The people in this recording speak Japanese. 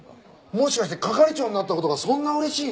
もしかして係長になった事がそんな嬉しいの？